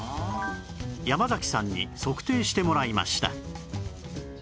山崎さんに測定してもらいました